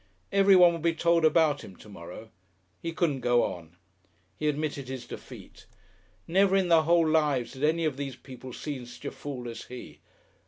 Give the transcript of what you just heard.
Everyone would be told about him to morrow. He couldn't go on! He admitted his defeat. Never in their whole lives had any of these people seen such a Fool as he!